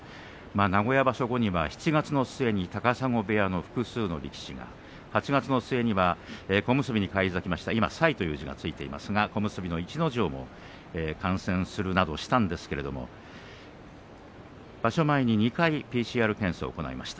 名古屋場所後には７月の末に高砂部屋の複数の力士が、８月末には小結に返り咲きました今、再という字がついていますが逸ノ城も感染するなどしたんですが場所前に２回ＰＣＲ検査を行いました。